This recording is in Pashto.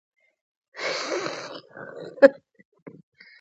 ژبې د افغانستان د انرژۍ سکتور یوه برخه ده.